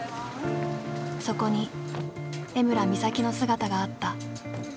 そこに江村美咲の姿があった。